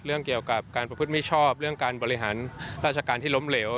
เรื่องเกี่ยวกับการประพฤติไม่ชอบเรื่องการบริหารราชการที่ล้มเหลว